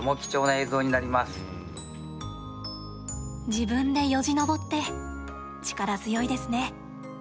自分で、よじ登って力強いですね。